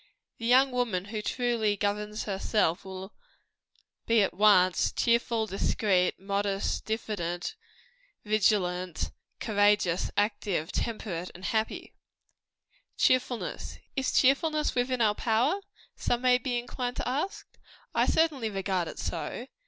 The young woman who truly governs herself, will be at once cheerful, discreet, modest, diffident, vigilant, courageous, active, temperate and happy. Cheerfulness. Is cheerfulness within our power? some may be inclined to ask. I certainly regard it so.